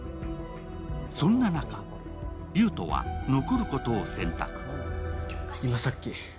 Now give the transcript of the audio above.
そんな中、優斗は残ることを選択。